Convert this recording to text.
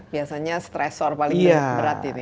biasanya stresor paling berat ini